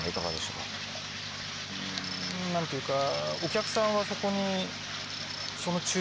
うん何ていうかお客さんはそこに。